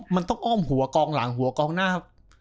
มันต้องอ้อมหัวกองหลังหัวกองหน้า